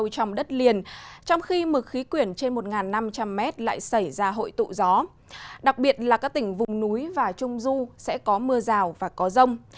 trong khi mực khí quyển trên một năm trăm linh m lại xảy ra hội tụ gió đặc biệt là các tỉnh vùng núi và trung du sẽ có mưa rào và có rông